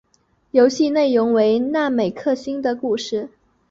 游戏内容为那美克星的故事。